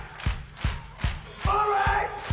オーライ！